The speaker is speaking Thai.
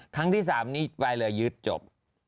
ครั้งที่สามนี้ใบเรือยึดจบ